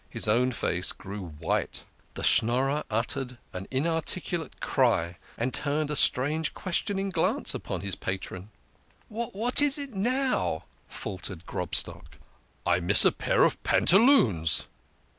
His own face grew white. The Schnorrer uttered an inarticulate cry, and turned a strange, questioning glance upon his patron. "What is it now?" faltered Grobstock. " I miss a pair of pantaloons